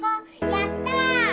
やった！